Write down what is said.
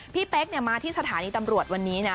พี่เป๊กเนี่ยมาที่สถานีตำรวจวันนี้นะ